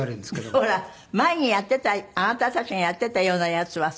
ほら前にやってたあなたたちがやってたようなやつはさ